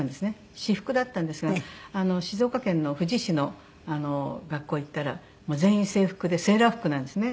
私服だったんですが静岡県の富士市の学校行ったら全員制服でセーラー服なんですね。